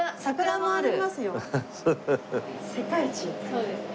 そうですね